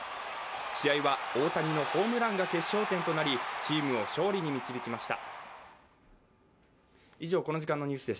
試合は、大谷のホームランが決勝点となり、チームを勝利に導きました。